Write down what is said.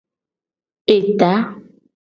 Eta.